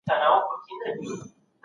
ډېری خلک له اوږده کېناستو سره ستونزه لري.